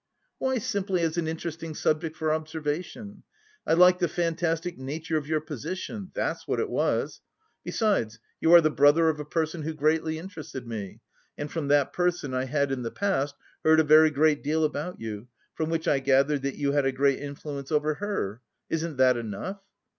"Why, simply as an interesting subject for observation. I liked the fantastic nature of your position that's what it was! Besides you are the brother of a person who greatly interested me, and from that person I had in the past heard a very great deal about you, from which I gathered that you had a great influence over her; isn't that enough?